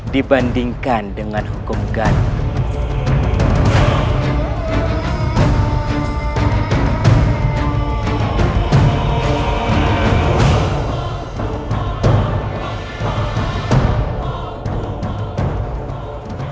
dibandingkan dengan hukum gantung